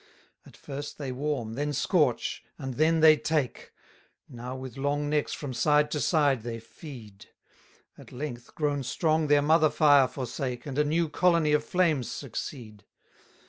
234 At first they warm, then scorch, and then they take; Now with long necks from side to side they feed: At length, grown strong, their mother fire forsake, And a new colony of flames succeed.